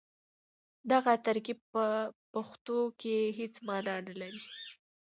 دغه ترکيب په پښتو کې هېڅ مانا نه لري.